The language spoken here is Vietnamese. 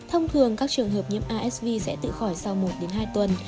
thông thường các trường hợp nhiễm asv sẽ tự khỏi sau một hai tuần